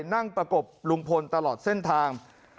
นั่งประกบลุงพลตลอดเส้นทาง